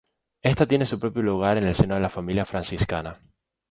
Esta tiene su propio lugar en el seno de la Familia Franciscana.